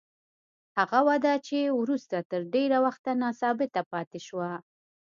هغه وده چې وروسته تر ډېره وخته ثابته پاتې شوه.